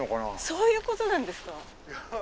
そういうことなんですか？